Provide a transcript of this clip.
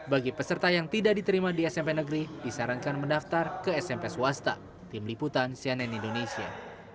bagi peserta yang tidak diterima di smp negeri disarankan mendaftar ke smp swasta tim liputan cnn indonesia